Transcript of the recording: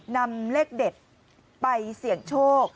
นำเลขเด็ดไปเสี่ยงโชค